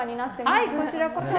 はいこちらこそ！